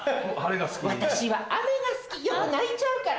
私は雨が好きよく泣いちゃうから。